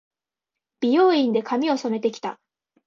美容院で、髪を染めて来た。